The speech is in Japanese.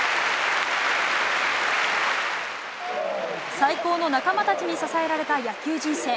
最高の仲間たちに支えられた野球人生。